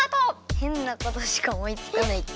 へんなことしかおもいつかないけど。